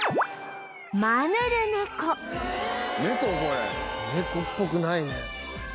ネコっぽくないね。